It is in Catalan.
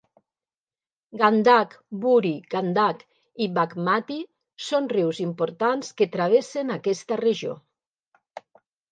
Gandak, Burhi Gandak i Baghmati són rius importants que travessen aquesta regió.